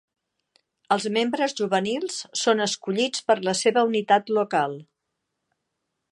Els membres juvenils són escollits per la seva unitat local.